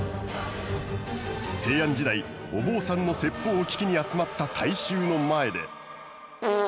平安時代お坊さんの説法を聞きに集まった大衆の前で。